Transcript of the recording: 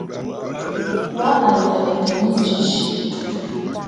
Wâ à yə̀tə̂ mə ŋgɨʼɨ siʼi.